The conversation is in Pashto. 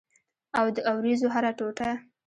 او د اوریځو هره ټوټه